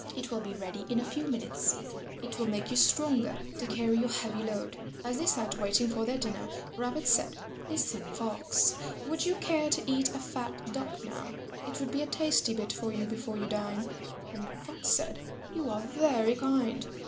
It will be ready in a few minutes. It will make you stronger to carry your heavy load." As they sat waiting for their dinner, Rabbit said, "Listen, Fox. Would you care to eat a fat Duck now? It would be a tasty bit for you before you dine." And Fox said, "You are very kind.